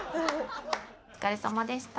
お疲れさまでした。